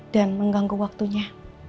dan mengganggu waktunya